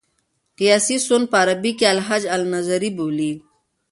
قیاسي سون په عربي کښي الهج النظري بولي.